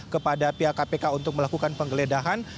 kepada pihak kpk untuk melakukan penggeledahan